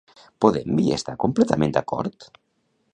Podem hi està completament d'acord?